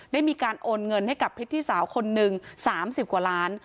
ได้มีการโอนเงินให้กับพริตตี้สาวคนหนึ่ง๓๐กว่าล้าน